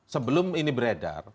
sebelum ini beredar